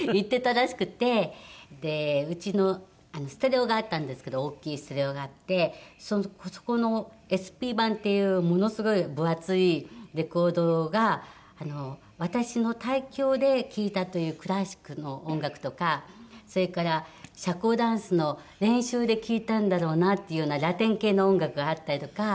うちのステレオがあったんですけど大きいステレオがあってそこのＳＰ盤っていうものすごい分厚いレコードが私の胎教で聴いたというクラシックの音楽とかそれから社交ダンスの練習で聴いたんだろうなっていうようなラテン系の音楽があったりとか。